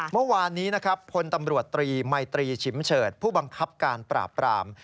เมื่อวานนี้นะครับพลตำรวจตรีมัยตรีฉิมเฉิดผู้บังคับการปราบปราม